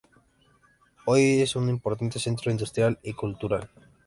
Hoy es un importante centro industrial y cultural.